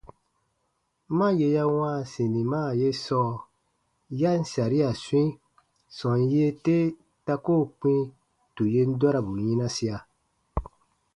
Ma yè ya wãa sinima ye sɔɔ ya ǹ saria swĩi, sɔm yee te ta koo kpĩ tù yen dɔrabu yinasia.